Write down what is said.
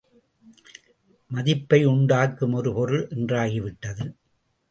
மதிப்பை உண்டாக்கும் ஒரு பொருள் என்றாகி விட்டது!